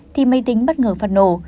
thì máy tính bất ngờ phát nổ